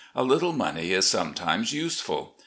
A little money is sometimes useful.